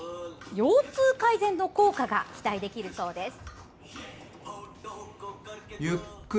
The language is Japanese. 腰痛改善の効果が期待できるそうです。